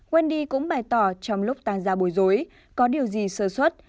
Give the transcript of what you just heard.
wendy cũng bày tỏ trong lúc tan ra bồi dối có điều gì sơ xuất